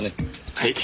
はい。